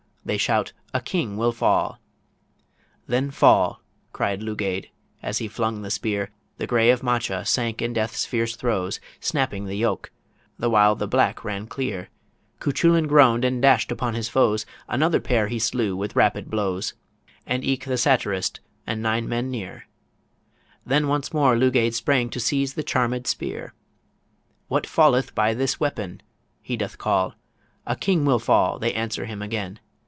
They shout, "A King will fall" "Then fall," cried Lugaid, as he flung the spear The Grey of Macha sank in death's fierce throes, Snapping the yoke, the while the Black ran clear: Cuchullin groan'd, and dash'd upon his foes; Another pair he slew with rapid blows, And eke the satirist and nine men near: Then once more Lugaid sprang to seize the charmèd spear. "What falleth by this weapon?" he doth call "A King will fall," they answer him again